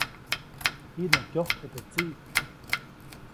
Jiʼnuŋ kyojtje teʼ tsiʼ.